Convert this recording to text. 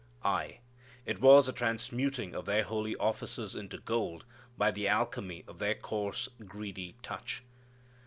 Aye, it was a transmuting of their holy offices into gold by the alchemy of their coarse, greedy touch.